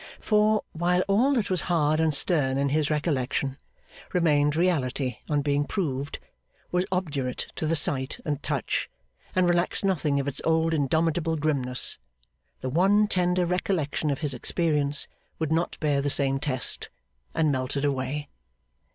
For, while all that was hard and stern in his recollection, remained Reality on being proved was obdurate to the sight and touch, and relaxed nothing of its old indomitable grimness the one tender recollection of his experience would not bear the same test, and melted away.